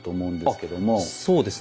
そうですね。